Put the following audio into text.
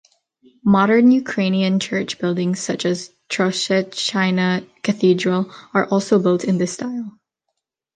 Modern Ukrainian church buildings, such as Troeshchina Cathedral, are also built in this style.